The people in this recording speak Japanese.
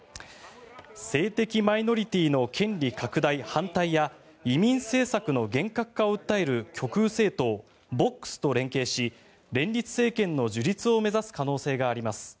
性的マイノリティーの権利拡大反対や移民政策の厳格化を訴える極右政党・ＶＯＸと連携し連立政権の樹立を目指す可能性があります。